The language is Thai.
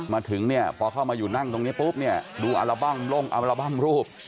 มาถึงเนี่ยพอเข้ามาอยู่นั่งตรงนี้ปุ๊บเนี่ยดูอัลบั้มลงอัลบั้มรูป